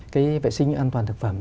cái vệ sinh an toàn thực phẩm